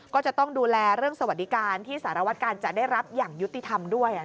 ก็จะต้องดูแลเรื่องสวัสดิการที่สารวัตการจะได้รับอย่างยุติธรรมด้วย